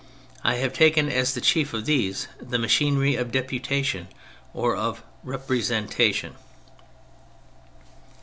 I have taken as the chief of these the machinery of deputation or of " representation."